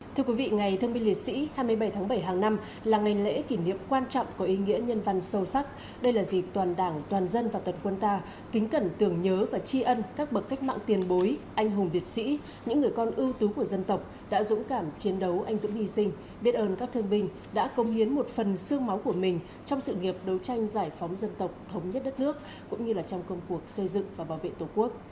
thưa quý vị ngày thương binh liệt sĩ hai mươi bảy tháng bảy hàng năm là ngày lễ kỷ niệm quan trọng có ý nghĩa nhân văn sâu sắc đây là dịp toàn đảng toàn dân và toàn quân ta kính cẩn tưởng nhớ và chi ân các bậc cách mạng tiền bối anh hùng liệt sĩ những người con ưu tú của dân tộc đã dũng cảm chiến đấu anh dũng hy sinh biết ơn các thương binh đã công hiến một phần sương máu của mình trong sự nghiệp đấu tranh giải phóng dân tộc thống nhất đất nước cũng như trong công cuộc xây dựng và bảo vệ tổ quốc